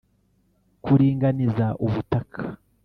kuringaniza ubutaka